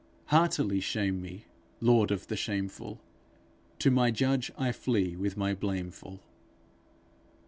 Heartily shame me, Lord, of the shameful! To my judge I flee with my blameful.